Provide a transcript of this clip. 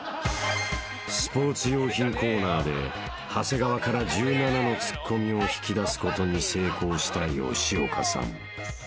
［スポーツ用品コーナーで長谷川から１７のツッコミを引き出すことに成功した吉岡さん］